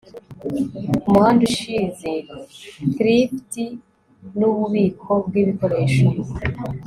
umuhanda ushize thrifty nububiko bwibikoresho